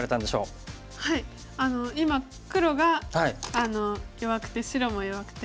今黒が弱くて白も弱くて。